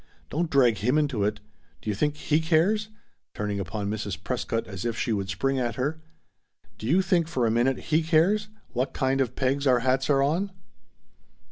"Don't drag Him into it! Do you think He cares" turning upon Mrs. Prescott as if she would spring at her "do you think for a minute He cares what kind of pegs our hats are on!"